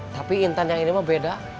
tapi intan yang ini mah beda